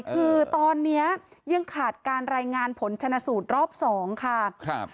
คือตอนนี้ยังขาดการรายงานผลชนะสูตรรอบสองค่ะครับ